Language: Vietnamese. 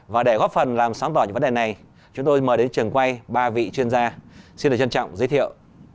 và để góp phần làm sáng tỏa những vấn đề này chúng tôi mời đến trường quay ba vị chuyên gia xin được trân trọng giới thiệu